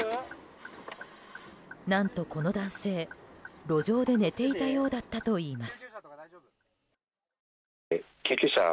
何とこの男性、路上で寝ていたようだったといいます。